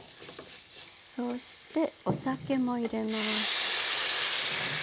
そしてお酒も入れます。